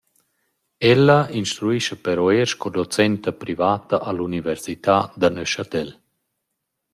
Ella instruischa però eir sco docenta privata a l’Università da Neuchâtel.